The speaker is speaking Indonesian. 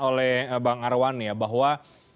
oleh bang arwani ya bahwa